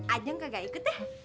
aja gak ikut deh